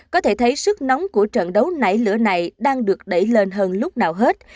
có thể thấy sức nóng của trận đấu nảy lửa này đang được đẩy lên hơn lúc nào hết